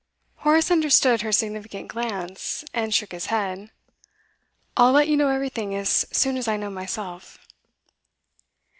Horace understood her significant glance, and shook his head. 'I'll let you know everything as soon as I know myself.